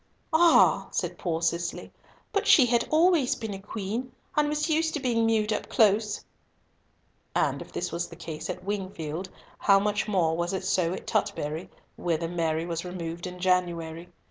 "Ah!" said poor Cicely, "but she had always been a queen, and was used to being mewed up close!" And if this was the case at Wingfield, how much more was it so at Tutbury, whither Mary was removed in January.